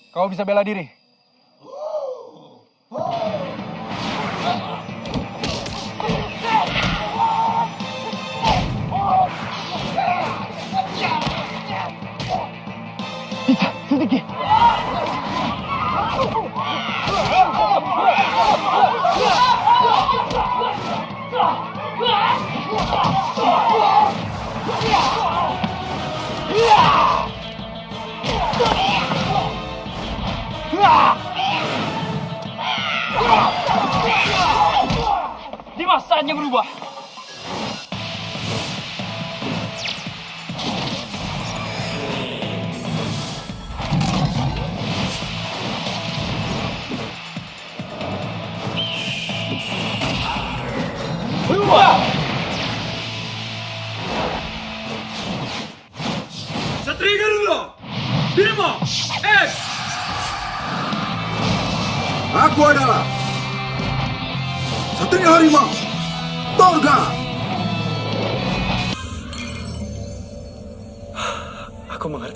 kan merindasi lo bayang